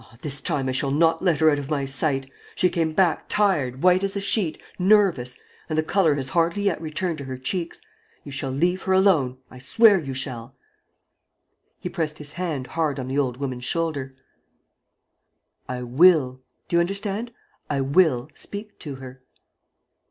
Ah, this time I shall not let her out of my sight! She came back tired, white as a sheet, nervous; and the color has hardly yet returned to her cheeks. You shall leave her alone, I swear you shall." He pressed his hand hard on the old woman's shoulder: "I will do you understand? I will speak to her."